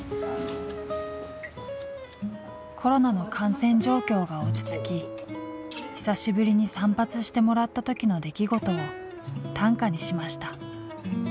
コロナの感染状況が落ち着き久しぶりに散髪してもらった時の出来事を短歌にしました。